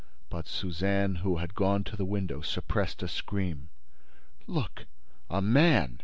But Suzanne, who had gone to the window, suppressed a scream: "Look!—A man!